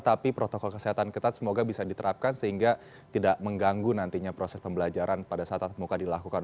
tapi protokol kesehatan ketat semoga bisa diterapkan sehingga tidak mengganggu nantinya proses pembelajaran pada saat muka dilakukan